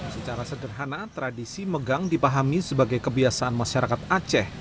secara sederhana tradisi megang dipahami sebagai kebiasaan masyarakat aceh